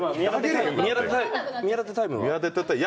宮舘タイムは？